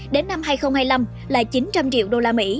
đến năm hai nghìn hai mươi năm là chín trăm linh triệu usd